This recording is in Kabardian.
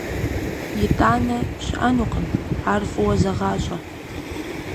«ИтӀанэ» щыӀэнукъым, ар фӀыуэ зэгъащӀэ!